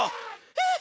えっ？